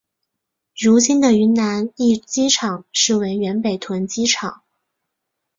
如今的云南驿机场实为原北屯机场。